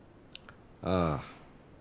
ああ。